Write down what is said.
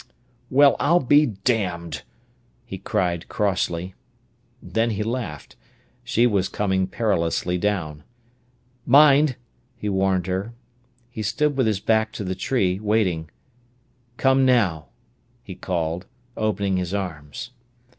"Well, I'll be damned!" he cried crossly. Then he laughed. She was coming perilously down. "Mind!" he warned her. He stood with his back to the tree, waiting. "Come now," he called, opening his arms.